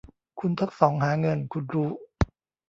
คุณทั้งสองหาเงิน คุณรู้